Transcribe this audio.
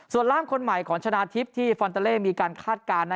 ส่วนล่ามคนใหม่ของชนะทิพย์ที่ฟอนตาเล่มีการคาดการณ์